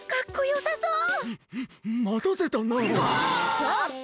ちょっと！